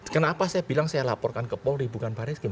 kenapa saya bilang saya laporkan ke polri bukan baris krim